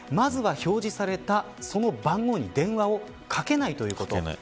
まずは、表示された番号に電話をかけないということ。